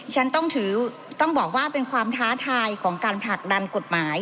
ฉันต้องถือต้องบอกว่าเป็นความท้าทายของการผลักดันกฎหมาย